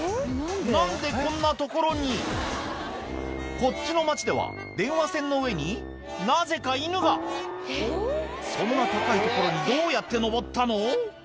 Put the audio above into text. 何でこんな所にこっちの町では電話線の上になぜか犬がそんな高い所にどうやって上ったの？